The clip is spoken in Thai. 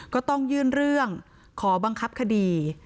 ก็ต้องยื่นเรื่องขอบังคับคดี